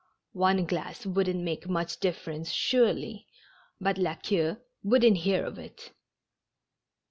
One glass wouldn't make much difierence, surely; but La Queue wouldn't hear of it.